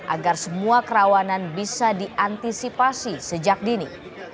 agar semua kerawanan bisa diantisipasi sejak dini